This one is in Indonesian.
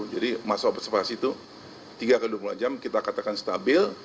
jadi masa observasi itu tiga x dua puluh empat jam kita katakan stabil